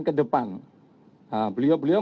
ke depan beliau beliau